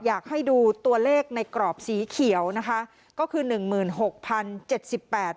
อยากให้ดูตัวเลขในกรอบสีเขียวนะคะก็คือหนึ่งหมื่นหกพันเจ็ดสิบแปด